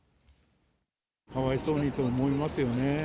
かわいそうにと思いますよね。